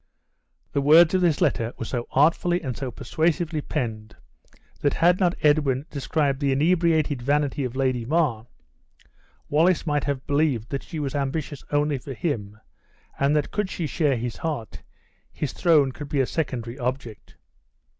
The words of this letter were so artfully and so persuasively penned, that had not Edwin described the inebriated vanity of Lady Mar, Wallace might have believed that she was ambitious only for him, and that could she share his heart, his throne would be a secondary object.